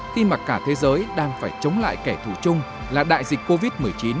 khi mà cả thế giới đang phải chống lại kẻ thù chung là đại dịch covid một mươi chín